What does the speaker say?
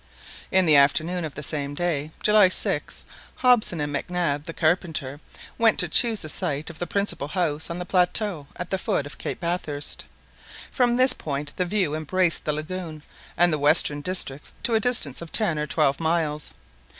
In the afternoon of the same day, July 6th Hobson and Mac Nab the carpenter went to choose the site of the principal house on the plateau at the foot of Cape Bathurst. From this point the view embraced the lagoon and the western districts to a distance of ten or twelve miles.